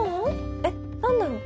え何だろう？